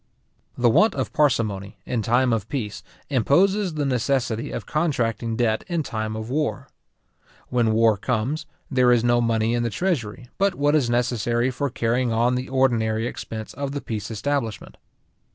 The want of parsimony, in time of peace, imposes the necessity of contracting debt in time of war. When war comes, there is no money in the treasury, but what is necessary for carrying on the ordinary expense of the peace establishment.